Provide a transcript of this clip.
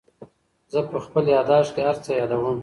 زه په خپل یادښت کې هر څه یادوم.